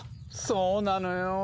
そうなのよ。